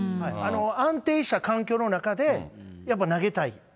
安定した環境の中でやっぱ投げたい。